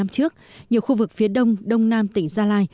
năm trước nhiều khu vực phía đông đông nam tỉnh gia lai